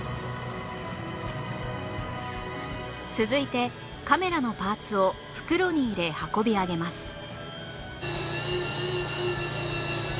続いてカメラのパーツを袋に入れ運び上げます